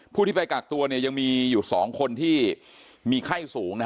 ผู้ที่ไปกากตัวเนี่ยยังมีอยู่สองคนที่มีไข้สูงนะฮะ